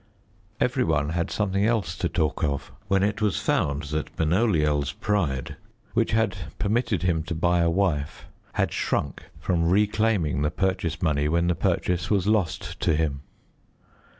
Every one had something else to talk of when it was found that Benoliel's pride, which had permitted him to buy a wife, had shrunk from reclaiming the purchase money when the purchase was lost to him.